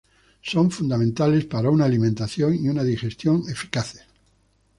Son fundamentales para una alimentación y una digestión eficaces.